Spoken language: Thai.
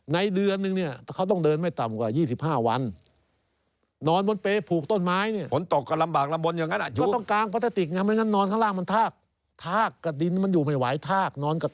ในเดือนนึงเนี่ยเขาต้องเดินไม่ต่ำกว่า๒๕วัน